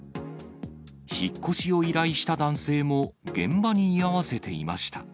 引っ越しを依頼した男性も、現場に居合わせていました。